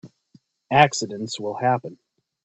Accidents will happen.